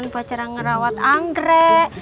buat cara merawat anggrek